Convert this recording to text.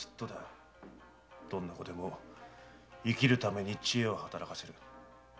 どんな子でも生きるために知恵を働かせる。